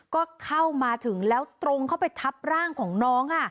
ก็เข้ามาถึงแล้วตรงเข้าไปทับร่างของน้องค่ะ